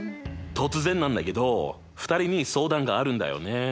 突然なんだけど２人に相談があるんだよね。